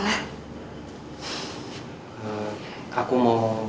ibu belum tidur